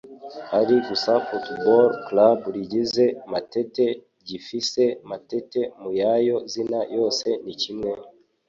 Ari gusa Football Club rigizwe makete gifise makete Mu yayo zina yose ni kimwe?